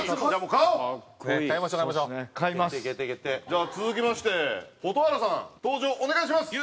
じゃあ続きまして蛍原さん登場お願いします！